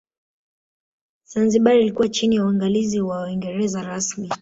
Zanzibar ilikuwa chini ya uangalizi wa Waingereza rasmi